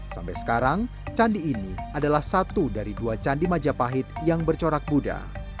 sampai sekarang candi ini adalah satu dari dua candi majapahit yang bercorak buddha